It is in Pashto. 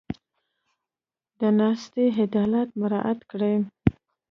د ناستې عدالت مراعت کړي.